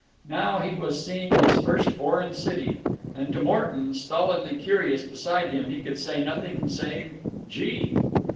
Now he was seeing his first foreign city, and to Morton, stolidly curious beside him, he could say nothing save "Gee!"